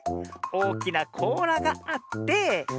おおきなこうらがあって。